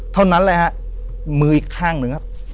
เท่านั้นเลยมืออีกข้างหนึ่ง